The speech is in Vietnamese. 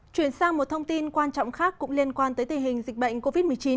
chuyển sang một thông tin quan trọng khác cũng liên quan tới tình hình dịch bệnh covid một mươi chín